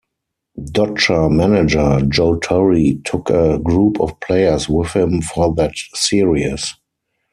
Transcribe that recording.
Dodger manager Joe Torre took a group of players with him for that series.